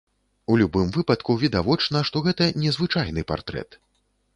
У любым выпадку відавочна, што гэта незвычайны партрэт.